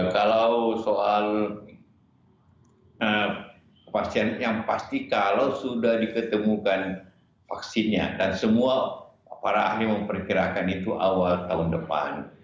kalau soal kepastian yang pasti kalau sudah diketemukan vaksinnya dan semua para ahli memperkirakan itu awal tahun depan